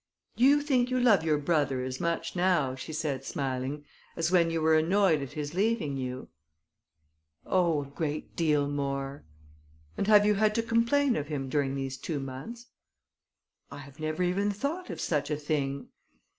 "Do you think you love your brother as much now," she said, smiling, "as when you were annoyed at his leaving you?" "Oh! a great deal more." "And have you had to complain of him during these two months?" "I have never even thought of such a thing."